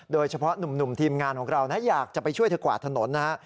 โดยเฉพาะหนุ่มทีมงานของเรานะอยากจะไปช่วยเธอกวาดถนนนะฮะ